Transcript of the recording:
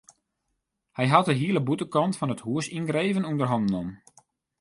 Hy hat de hiele bûtenkant fan it hús yngreven ûnder hannen nommen.